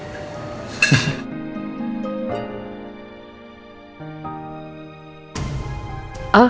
aku mau ke rumah